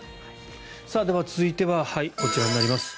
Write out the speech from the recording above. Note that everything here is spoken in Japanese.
では、続いてはこちらになります。